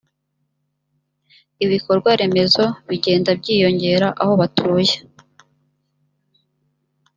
ibikorwaremezo bigenda byiyongera aho batuye